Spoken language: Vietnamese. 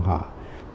và họ đùm bọc